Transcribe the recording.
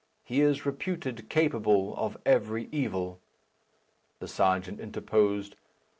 He is reputed capable of every evil." The serjeant interposed.